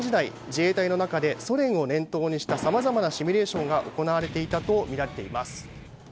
自衛隊の中でソ連を念頭にしたさまざまなシミュレーションが行われていたとみられています。